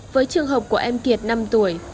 với trường hợp của em kiệt năm tuổi